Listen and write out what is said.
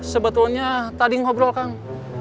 sebetulnya tadi ngobrol kang